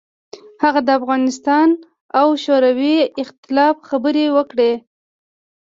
هغه د افغانستان او شوروي اختلاف خبرې وکړې.